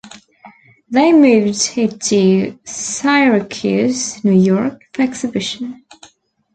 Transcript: They moved it to Syracuse, New York, for exhibition.